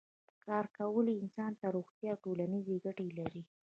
کار کول انسان ته روغتیایی او ټولنیزې ګټې لري